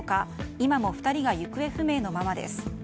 今も２人が行方不明のままです。